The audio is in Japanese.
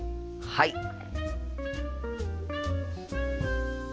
はい。